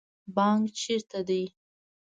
بانک چیرته دی؟